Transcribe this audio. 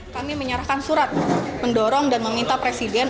kami menyerahkan surat mendorong dan meminta presiden